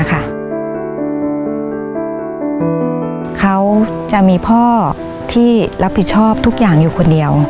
เขาจะมีพ่อที่รับผิดชอบทุกอย่างอยู่คนเดียว